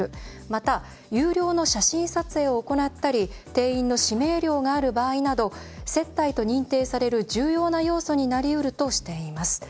また、有料の写真撮影を行ったり店員の指名料がある場合など接待と認定される重要な要素になりうるとしています。